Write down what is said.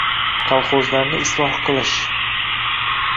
— kolxozlarni isloh qilish.